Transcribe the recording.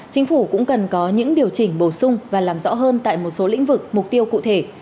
chính phủ cũng cần có những điều chỉnh bổ sung và làm rõ hơn tại một số lĩnh vực mục tiêu cụ thể